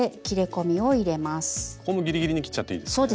ここもギリギリに切っちゃっていいんですね。